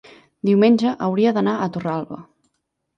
Diumenge hauria d'anar a Torralba.